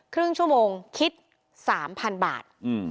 ครึ่งชั่วโมงคิด๓๐๐๐บาท